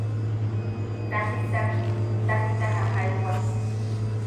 Tajita, tajita jajaiwa.